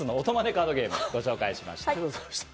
カードゲームをご紹介しました。